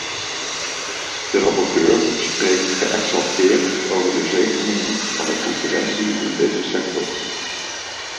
De rapporteur spreekt geëxalteerd over de zegeningen van de concurrentie in deze sector.